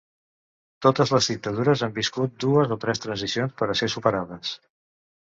Totes les dictadures han viscut dues o tres transicions per a ser superades.